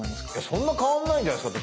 そんな変わんないんじゃないですか？